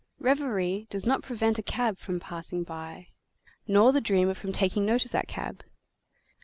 Reverie does not prevent a cab from passing by, nor the dreamer from taking note of that cab.